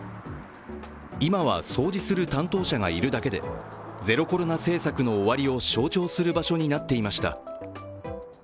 今は掃除する担当者がいるだけでゼロコロナ政策の終わりを象徴する場所になっていました。